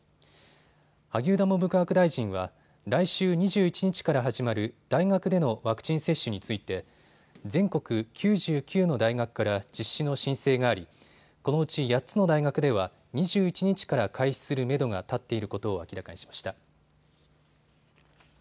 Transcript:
萩生田文部科学大臣は来週２１日から始まる大学でのワクチン接種について全国９９の大学から実施の申請があり、このうち８つの大学では２１日から開始するめどが立っていることを明らかにしました。